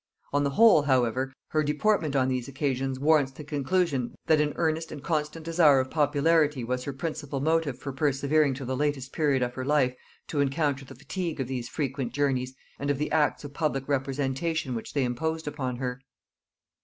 On the whole, however, her deportment on these occasions warrants the conclusion, that an earnest and constant desire of popularity was her principal motive for persevering to the latest period of her life to encounter the fatigue of these frequent journeys, and of the acts of public representation which they imposed upon her.